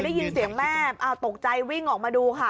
ได้ยินเสียงแม่ตกใจวิ่งออกมาดูค่ะ